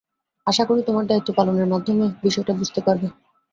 আশা করি তোমার দায়িত্ব পালনের মাধ্যমে বিষয়টা বুঝতে পারবে।